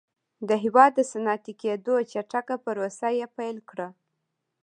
د هېواد د صنعتي کېدو چټکه پروسه یې پیل کړه